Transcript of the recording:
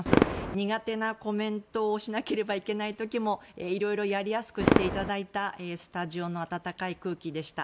苦手なコメントをしなければいけない時もいろいろやりやすくしていただいたスタジオの温かい空気でした。